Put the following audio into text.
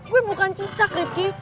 gue bukan cincang rifki